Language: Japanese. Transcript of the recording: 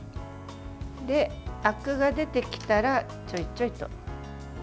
あくが出てきたらちょいちょいと。